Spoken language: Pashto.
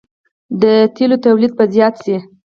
د تیلو تولید به زیات شي.